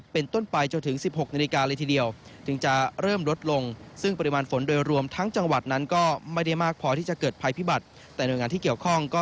เป็นต้นไปจนถึง๑๖นาฬิกาเลยทีเดียว